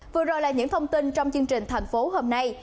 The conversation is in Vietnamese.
vừa rồi là những thông tin trong chương trình thành phố hôm nay